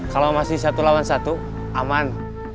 kalau masih satu lawan satu aman